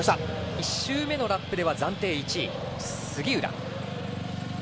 １周目のラップでは暫定１位の杉浦。